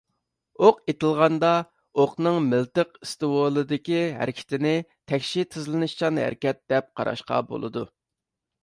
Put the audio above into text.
ئوق ئېتىلغاندا، ئوقنىڭ مىلتىق ئىستوۋۇلىدىكى ھەرىكىتىنى تەكشى تېزلىنىشچان ھەرىكەت دەپ قاراشقا بولىدۇ.